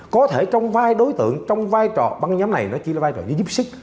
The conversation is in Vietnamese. có thể trong vai đối tượng trong vai trò băng nhóm này nó chỉ là vai trò giúp sức